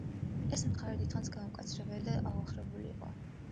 ეს მხარე დიდხანს გაუკაცრიელებული და აოხრებული იყო.